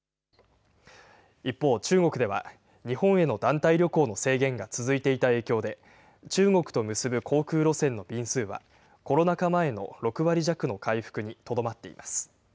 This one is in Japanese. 一方、中国では日本への団体旅行の制限が続いていた影響で、中国と結ぶ航空路線の便数はコロナ禍前の６割弱の回復にとどまっています。